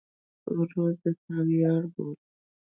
ورور د تا ویاړ بولې.